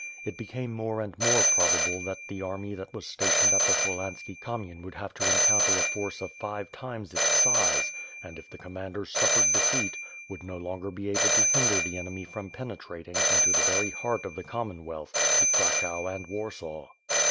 It became more and more probable that the army that was stationed at the Cholhanski Kamyen would have to encounter a force of five times its size and if the com manders suffered defeat, would no longer be able to hinder the enemy from penetrating into the very heart of the Common wealth to Cracow and Warsaw.